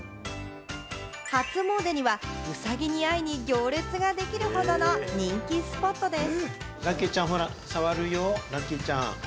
初詣には、うさぎに会いに行列ができるほどの人気スポットです。